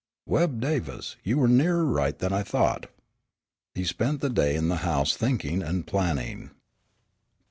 Webb Davis, you were nearer right than I thought." He spent the day in the house thinking and planning.